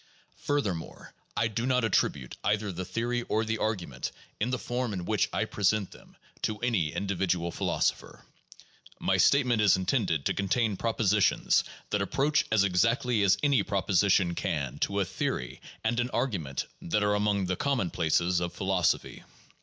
Furthermore, I do not attribute either the theory or the argument, in the form in which I present them, to any individual philosopher. My statement is intended to contain propo sitions that approach as exactly as any proposition can to a theory and an argument that are among the commonplaces of philosophy.